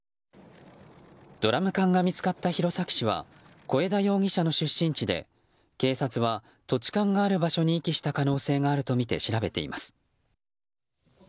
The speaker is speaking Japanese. ドラム缶が見つかった弘前市は小枝容疑者の出身地で、警察は土地勘がある場所に遺棄した可能性があるとみて調べています。